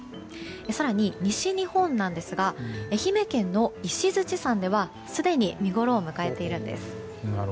更に、西日本なんですが愛媛県の石鎚山では、すでに見ごろを迎えているんです。